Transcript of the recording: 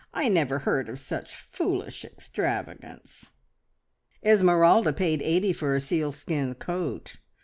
I never heard of such foolish extravagance." "Esmeralda paid eighty for a sealskin coat.